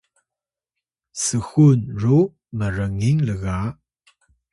sxun ru m’rngin lga